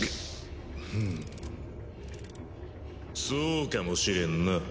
そうかもしれんな。